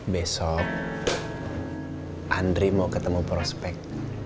besok andri mau ketemu prospek